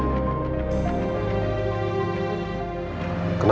dengsternya akan mendoyj polisi canga